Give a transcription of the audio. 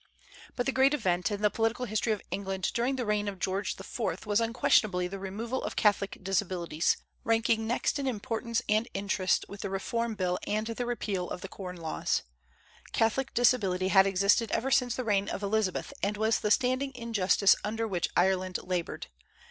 But the great event in the political history of England during the reign of George IV. was unquestionably the removal of Catholic disabilities, ranking next in importance and interest with the Reform Bill and the repeal of the Corn Laws. Catholic disability had existed ever since the reign of Elizabeth, and was the standing injustice under which Ireland labored.